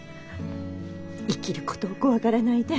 生きることを怖がらないで。